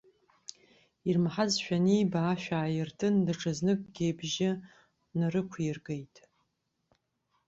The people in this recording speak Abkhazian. Ирмаҳазшәа аниба, ашә ааиртын, даҽазныкгьы ибжьы нарықәиргеит.